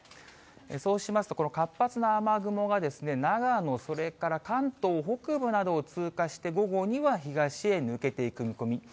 そうしますと、この活発な雨雲が長野、それから関東北部などを通過して、午後には東へ抜けていく見込み。